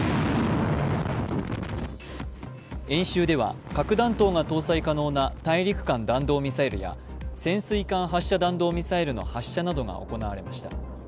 演習では、核弾頭が搭載可能な大陸間弾道ミサイルや、潜水艦発射弾道ミサイルの発射などが行われました。